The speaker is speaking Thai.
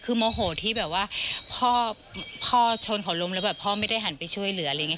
คือโมโหที่แบบว่าพ่อชนเขาล้มแล้วแบบพ่อไม่ได้หันไปช่วยเหลืออะไรอย่างนี้